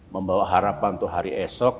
membawa harapan untuk hari esok